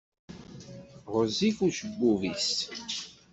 Ɣezzif ucebbub-is.